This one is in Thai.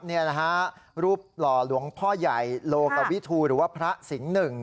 นี่นะฮะรูปหล่อหลวงพ่อใหญ่โลกวิทูหรือว่าพระสิงห์หนึ่ง